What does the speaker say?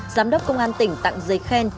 giám đốc công an tỉnh tặng giấy khen